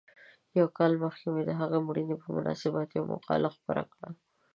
یو کال مخکې مې د هغه د مړینې په مناسبت یوه مقاله خپره کړه.